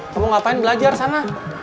kamu ngapain belajar sana